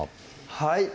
はい